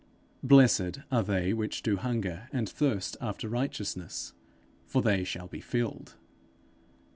'Blessed are they which do hunger and thirst after righteousness, for they shall be filled.'